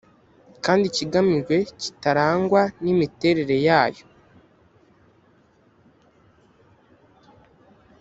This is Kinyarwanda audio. kandi ikigamijwe kitarangwa n imiterere yayo